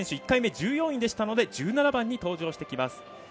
１回目１４位でしたので１７番に登場してきます。